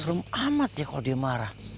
serem amat ya kalo dia marah